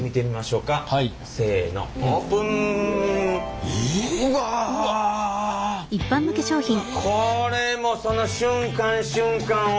うわっこれもその瞬間瞬間を。